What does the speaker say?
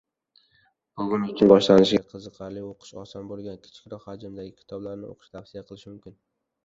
Buning uchun boshlanishiga qiziqarli, oʻqish oson boʻlgan, kichikroq hajmdagi kitoblarni oʻqishni tavsiya qilish mumkin.